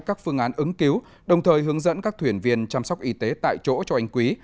các phương án ứng cứu đồng thời hướng dẫn các thuyền viên chăm sóc y tế tại chỗ cho anh quý